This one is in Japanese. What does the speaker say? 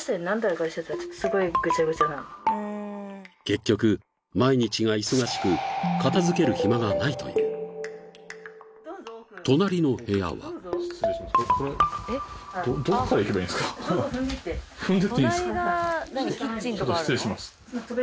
結局毎日が忙しく片付けるヒマがないという隣の部屋はちょっと失礼します